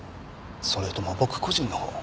それとも僕個人のほう？